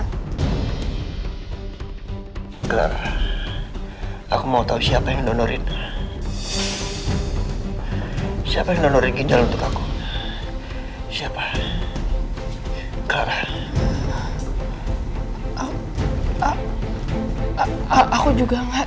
hai gelar aku mau tahu siapa yang nonorin siapa yang nonorin untuk aku siapa gelar aku juga nggak